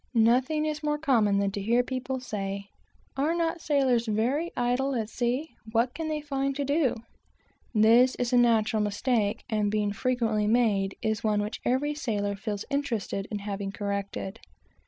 Nothing is more common than to hear people say "Are not sailors very idle at sea? what can they find to do?" This is a very natural mistake, and being very frequently made, it is one which every sailor feels interested in having corrected.